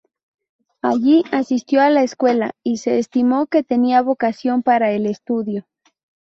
Allí asistió a la escuela y se estimó que tenía vocación para el estudio.